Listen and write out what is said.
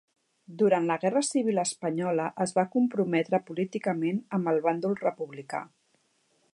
Durant la Guerra Civil espanyola es va comprometre políticament amb el bàndol republicà.